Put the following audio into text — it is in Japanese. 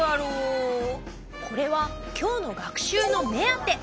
これは今日の学習のめあて。